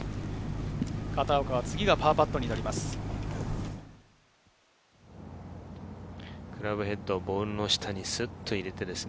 片岡は次がパーパットになります。